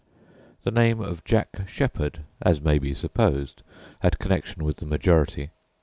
The name of Jack Sheppard, as may be supposed, had connection with the majority.